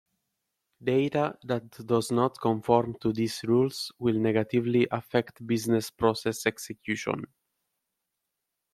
Data that does not conform to these rules will negatively affect business process execution.